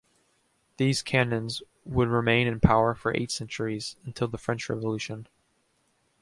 These canons would remain in power for eight centuries, until the French Revolution.